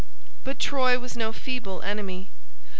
But Troy was no feeble enemy.